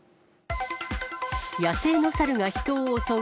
野生の猿が人を襲う。